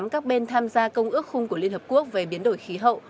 các bên tham gia công ước khung của liên hợp quốc về biến đổi khí hậu